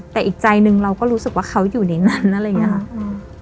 แต่อีกใจหนึ่งเราก็รู้สึกว่าเขาอยู่ในนั้นอะไรอย่างนี้ค่ะ